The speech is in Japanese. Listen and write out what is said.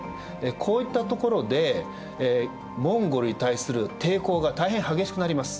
こういった所でモンゴルに対する抵抗が大変激しくなります。